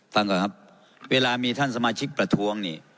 ฟังก่อนครับเวลามีท่านสมาชิกประท้วงนี่